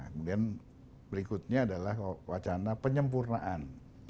kemudian berikutnya adalah wacana penyempurnaan